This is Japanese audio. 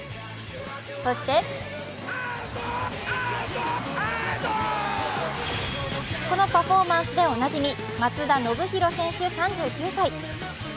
そして、このパフォーマンスでおなじみ松田宣浩選手３９歳。